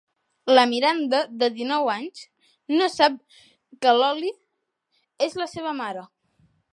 La Miranda, de dinou anys, no sap que l'Oly és la seva mare.